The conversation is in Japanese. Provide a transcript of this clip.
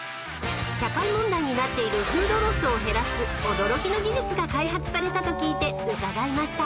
［社会問題になっているフードロスを減らす驚きの技術が開発されたと聞いて伺いました］